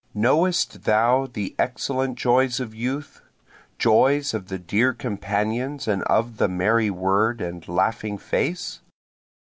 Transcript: Knowist thou the excellent joys of youth? Joys of the dear companions and of the merry word and laughing face?